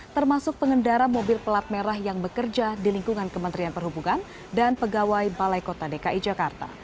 termasuk pengendara mobil pelat merah yang bekerja di lingkungan kementerian perhubungan dan pegawai balai kota dki jakarta